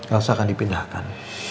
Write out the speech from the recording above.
elsa akan dipindahkan